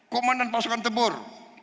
komandan pasukan tebur